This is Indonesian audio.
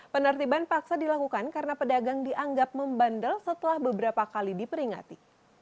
penertiban paksa dilakukan karena pedagang dianggap membandel setelah beberapa kali diperingati